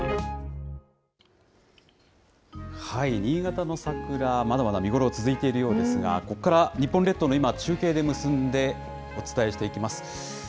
新潟の桜、まだまだ見頃、続いているようですが、ここから日本列島の今、中継で結んでお伝えしていきます。